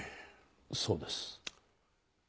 そうです。